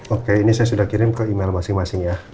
oke ini saya sudah kirim ke email masing masing ya